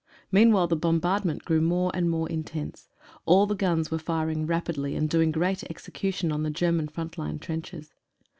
Meanwhile the bombardment grew more and more in tense. All the guns were firing rapidly and doing great execution on the German front line trenches.